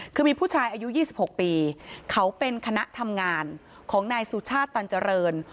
คือมีผู้ชายอายุ๒๖ปีเขาเป็นคณะทำงานของนายสุชาติตันเจริญ